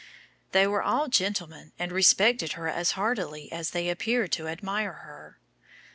They were all gentlemen and respected her as heartily as they appeared to admire her.